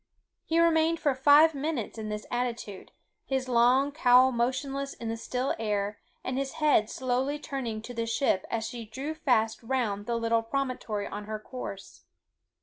He remained for five minutes in this attitude, his long cowl motionless in the still air, and his head slowly turning to the ship as she drew fast round the little promontory on her course.